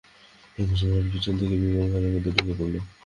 এমন সময় হঠাৎ পিছন থেকে বিমল ঘরের মধ্যে ঢুকে পড়ল।